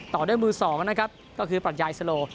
ต่อด้วยมือสองนะครับก็คือปรัชญายสโล